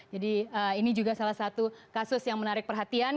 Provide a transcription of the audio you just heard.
jadi ini juga salah satu kasus yang menarik perhatian